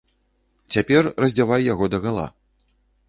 Цяпер раздзявай яго дагала.